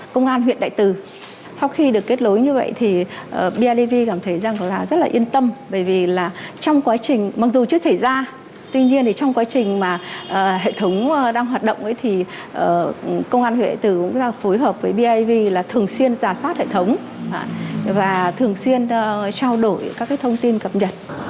công an huyện đại tư thường xuyên ra soát hệ thống và thường xuyên trao đổi các thông tin cập nhật